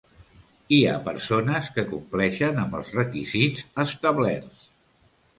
Hi ha persones que compleixen amb els requisits establerts.